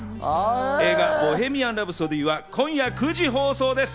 映画『ボヘミアン・ラプソディ』は今夜９時放送です。